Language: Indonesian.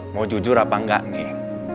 mau jujur apa enggak nih